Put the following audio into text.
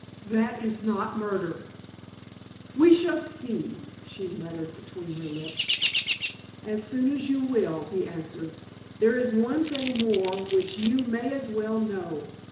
That is not murder." "We shall see," she muttered between her lips. "As soon as you will," he answered. "There is one thing more which you may as well know.